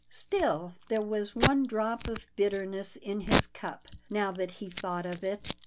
Still there was one drop of bitterness in his cup, now that he thought of it.